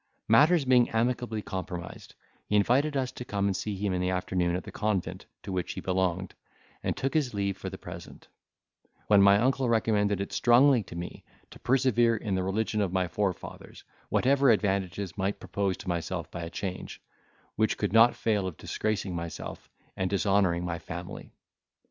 Matters being amicably compromised, he invited us to come and see him in the afternoon at the convent to which he belonged, and took his leave for the present; when my uncle recommended it strongly to me to persevere in the religion of my forefathers, whatever advantages might propose to myself by a change, which could not fail of disgracing myself, and dishonouring my family.